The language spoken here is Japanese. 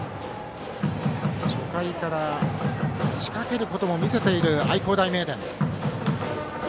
初回から仕掛けも見せている愛工大名電。